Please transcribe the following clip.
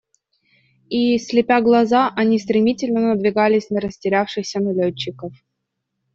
И, слепя глаза, они стремительно надвигались на растерявшихся налетчиков.